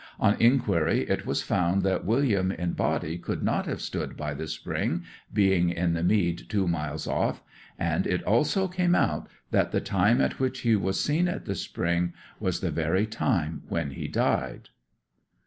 On inquiry, it was found that William in body could not have stood by the spring, being in the mead two miles off; and it also came out that the time at which he was seen at the spring was the very time when he died.